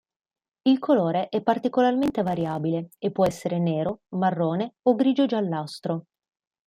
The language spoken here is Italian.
Il colore è particolarmente variabile e può essere nero, marrone o grigio-giallastro.